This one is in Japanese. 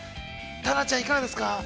タナちゃん、いかがですか。